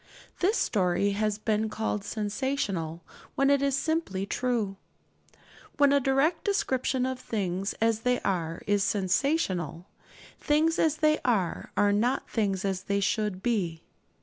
This story has been called 'sensational,' when it is simply true. When a direct description of things as they are is sensational, things as they are are not things as they should be.